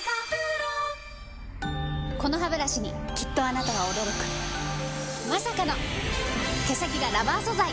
このハブラシにきっとあなたは驚くまさかの毛先がラバー素材！